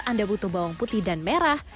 anda butuh bawang putih dan merah